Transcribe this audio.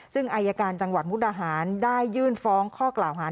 ซึ่งอายการจังหวัดมุกดาหารได้ยื่นฟ้องข้อกล่าวหา